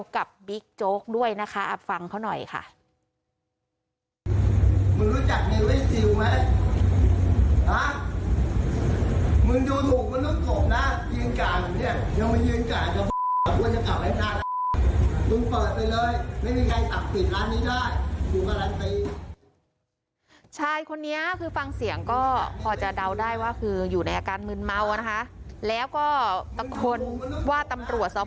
บิ๊กโจ๊กด้วยนะคะฟังเขาหน่อยค่ะ